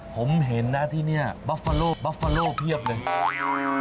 ผมเห็นน่ะที่นี่บัฟฟาโล่เพียบเลย